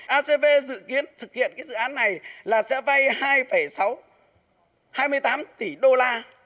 acv dự kiến thực hiện dự án này là sẽ vay hai sáu trăm hai mươi tám tỷ đô la